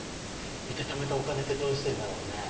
一体貯めたお金ってどうしてるんだろうね？